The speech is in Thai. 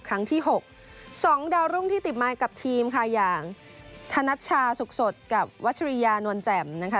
ครั้งที่๖๒ดาวรุ่งที่ติดไม้กับทีมค่ะอย่างธนัชชาสุขสดกับวัชริยานวลแจ่มนะคะ